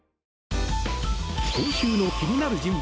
今週の気になる人物